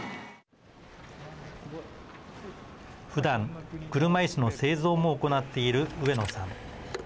ふだん、車いすの製造も行っている上野さん。